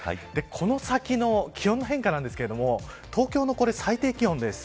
この先の気温の変化なんですけれども東京の最低気温です。